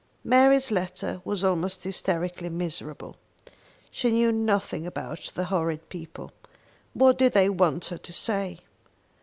Mary's letter was almost hysterically miserable. She knew nothing about the horrid people. What did they want her to say?